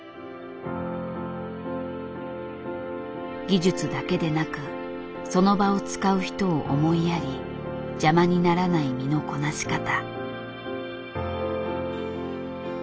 技術だけでなくその場を使う人を思いやり邪魔にならない身のこなし方。